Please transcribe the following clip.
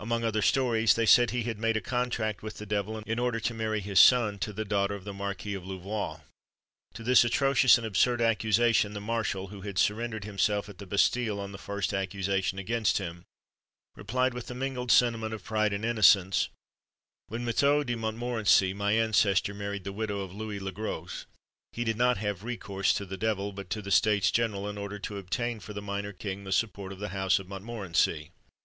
Among other stories, they said he had made a contract with the devil, in order to marry his son to the daughter of the Marquis of Louvois. To this atrocious and absurd accusation the marshal, who had surrendered himself at the Bastille on the first accusation against him, replied with the mingled sentiment of pride and innocence, 'When Mathieu de Montmorenci, my ancestor, married the widow of Louis le Gros, he did not have recourse to the devil, but to the states general, in order to obtain for the minor king the support of the house of Montmorenci.'